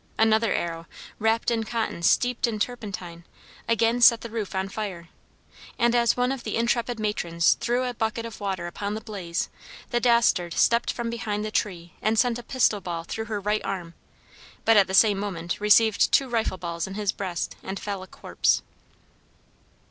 Another arrow, wrapped in cotton steeped in turpentine, again set the roof on fire, and as one of the intrepid matrons threw a bucket of water upon the blaze, the dastard stepped from behind the tree and sent a pistol ball through her right arm, but at the same moment received two rifle balls in his breast, and fell a corpse.